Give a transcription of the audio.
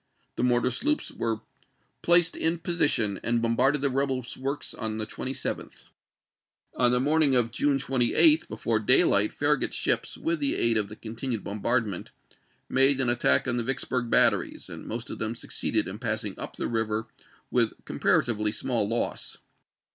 The mortar sloops were placed in position and bom barded the rebel works on the 27th. On the morn ing of June 28, before daylight, Farragut's ships, with the aid of the continued bombardment, made an attack on the Vicksburg batteries, and most of them succeeded in passing up the river with com paratively small loss.